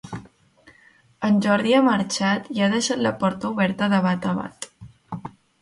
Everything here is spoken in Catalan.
En Jordi ha marxat i ha deixat la porta oberta de bat a bat